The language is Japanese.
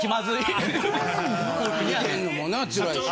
見てんのもなつらいし。